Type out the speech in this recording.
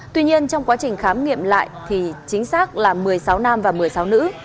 tuy nhiên trong quá trình khám nghiệm lại thì chính xác là một mươi sáu nam và một mươi sáu nữ